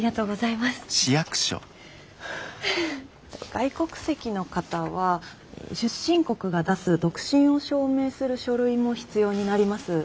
外国籍の方は出身国が出す独身を証明する書類も必要になります。